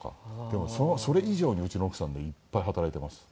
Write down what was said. でもそれ以上にうちの奥さんがいっぱい働いてます。